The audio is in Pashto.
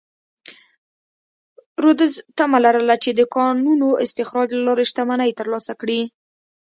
رودز تمه لرله چې د کانونو استخراج له لارې شتمنۍ ترلاسه کړي.